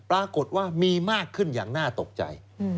ปรากฏว่ามีมากขึ้นอย่างน่าตกใจ